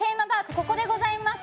ここでございます。